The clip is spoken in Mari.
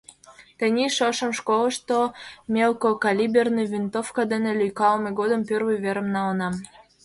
— Тений шошым школышто мелкокалиберный винтовка дене лӱйкалыме годым первый верым налынам.